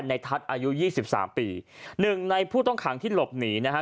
ในทัศน์อายุยี่สิบสามปีหนึ่งในผู้ต้องขังที่หลบหนีนะฮะ